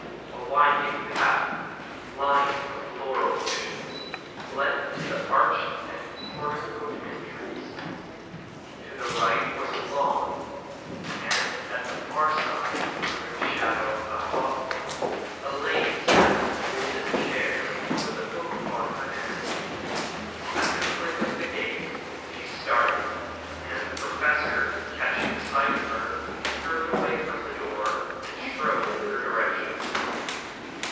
A winding path, lined with laurel bushes, led to the arched and porticoed entrance. To the right was a lawn, and at the far side, under the shadow of a hawthorn, a lady sat in a garden chair with a book in her hands. At the click of the gate she started, and the Professor, catching sight of her, turned away from the door, and strode in her direction.